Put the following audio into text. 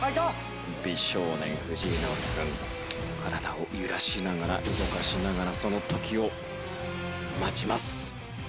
美少年藤井直樹君体を揺らしながら動かしながらその時を待ちます。